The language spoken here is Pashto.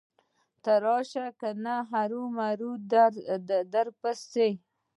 ته راشه کنه مرمه درپسې.